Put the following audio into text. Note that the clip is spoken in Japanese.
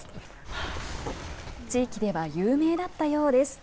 地域では有名だったようです。